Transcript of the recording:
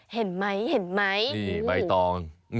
เห็นไหมใบตอง